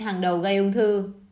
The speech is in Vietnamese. hàng đầu gây ung thư